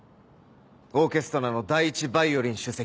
オーケストラの第１ヴァイオリン首席。